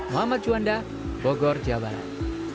muhammad juanda bogor jabarat